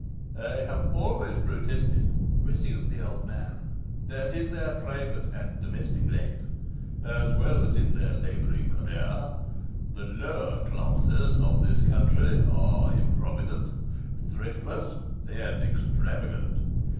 'I have always protested,' resumed the old man, 'that in their private and domestic life, as well as in their labouring career, the lower classes of this country are improvident, thriftless, and extravagant.